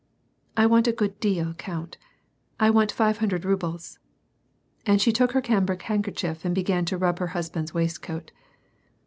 "I want a good deal, count; I want five hundred rubles." And she took her cambric handkerchief and began to rub her husband's waistcoat.